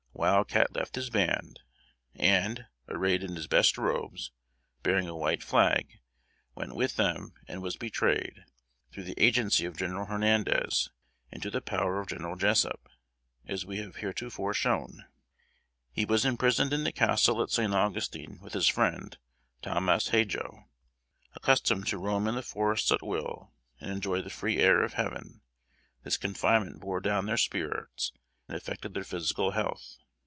Wild Cat left his band; and, arrayed in his best robes, bearing a white flag, went with them and was betrayed, through the agency of General Hernandez, into the power of General Jessup, as we have heretofore shown. He was imprisoned in the castle at St. Augustine with his friend Talmas Hadjo. Accustomed to roam in the forests at will, and enjoy the free air of Heaven, this confinement bore down their spirits and affected their physical health.